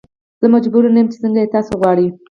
زه مجبور نه یم چې څنګه یې تاسو غواړئ.